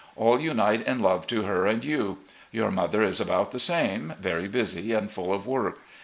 AH unite in love to her and you. Your mother is about the same, very busy, and full of work.